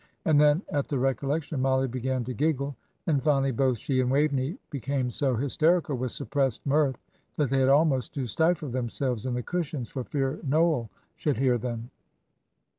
And then, at the recollection, Mollie began to giggle, and finally both she and Waveney became so hysterical with suppressed mirth that they had almost to stifle themselves in the cushions for fear Noel should hear them.